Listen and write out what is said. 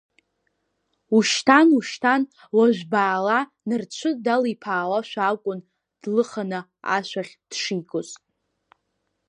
Ушьҭан, ушьҭан, уажә баала, нарцәы далиԥаауашәа акәын длыханы ашәахь дшигоз.